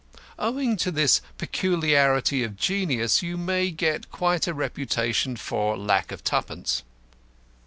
Owing to this peculiarity of genius, you may get quite a reputation for lack of twopence.